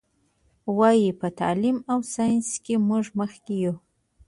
وایي: په تعلیم او ساینس کې موږ مخکې یو.